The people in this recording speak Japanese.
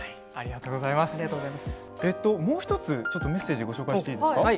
もう１つメッセージをご紹介していいですか？